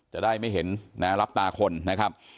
จะได้ไม่เห็นนะรับตาคนนะครับ